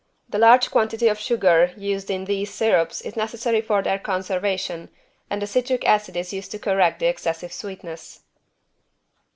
The large quantity of sugar used in these syrups is necessary for their conservation and the citric acid is used to correct the excessive sweetness.